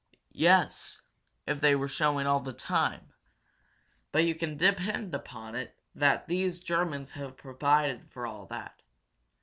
"Yes, if they were showing all the time. But you can depend on it that these Germans have provided for all that.